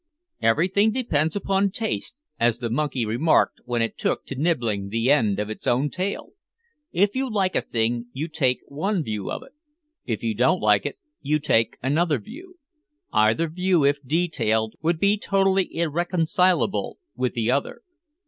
Everything depends upon taste, as the monkey remarked when it took to nibbling the end of its own tail! If you like a thing, you take one view of it; if you don't like it, you take another view. Either view, if detailed, would be totally irreconcilable with the other.